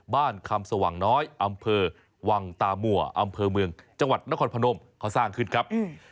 คำสว่างน้อยอำเภอวังตามัวอำเภอเมืองจังหวัดนครพนมเขาสร้างขึ้นครับ